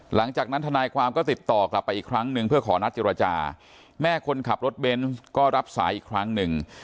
ทนายความก็ติดต่อกลับไปอีกครั้งหนึ่งเพื่อขอนัดเจรจาแม่คนขับรถเบนส์ก็รับสายอีกครั้งหนึ่ง